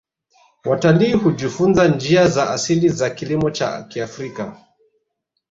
Watalii hujifunza njia za asili za kilimo cha kiafrika